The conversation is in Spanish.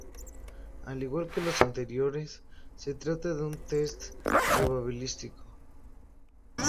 Al igual que los anteriores, se trata de un test probabilístico.